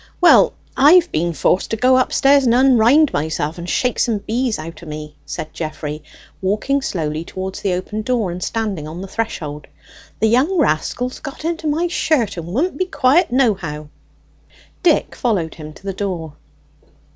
"Well, I've been forced to go upstairs and unrind myself, and shake some bees out o' me" said Geoffrey, walking slowly towards the open door, and standing on the threshold. "The young rascals got into my shirt and wouldn't be quiet nohow." Dick followed him to the door.